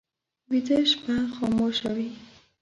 ویده شپه خاموشه وي